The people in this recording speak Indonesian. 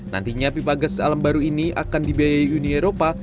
nantinya pipa gas alam baru ini akan dibiayai uni eropa